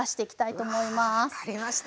うわ分かりました。